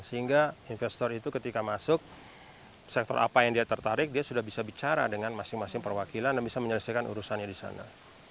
sehingga investor itu ketika masuk sektor apa yang dia tertarik dia sudah bisa bicara dengan masing masing perwakilan dan bisa menyelesaikan urusannya di sana